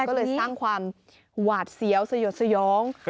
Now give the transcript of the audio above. ก็เลยสร้างความหวาดเสียวสยดสยอง